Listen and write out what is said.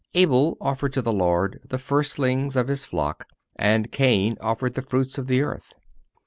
Abel offered to the Lord the firstlings of his flock, and Cain offered of the fruits of the earth.